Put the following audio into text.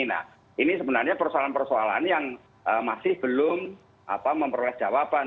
nah ini sebenarnya persoalan persoalan yang masih belum memperoleh jawaban